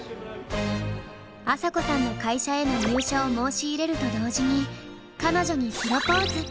朝紗子さんの会社への入社を申し入れると同時に彼女にプロポーズ！